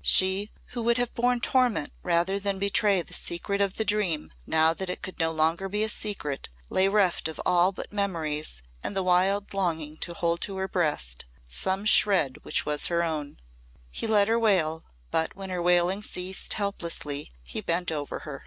She who would have borne torment rather than betray the secret of the dream, now that it could no longer be a secret lay reft of all but memories and the wild longing to hold to her breast some shred which was her own. He let her wail, but when her wailing ceased helplessly he bent over her.